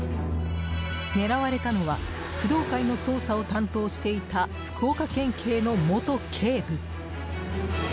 狙われたのは工藤会の捜査を担当していた福岡県警の元警部。